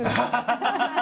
ハハハハ！